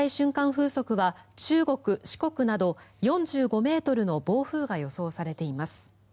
風速は中国、四国など４５ｍの暴風が予想されています。